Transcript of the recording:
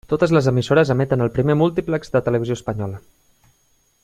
Totes les emissores emeten al primer múltiplex de Televisió Espanyola.